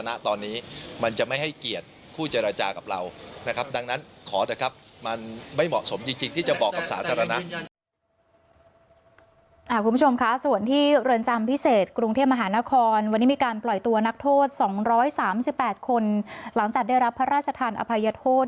วันนี้มีการปล่อยตัวนักโทษสองร้อยสามสิบแปดคนหลังจากได้รับพระราชทานอภัยโทษ